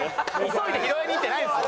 急いで拾いに行ってないですよ。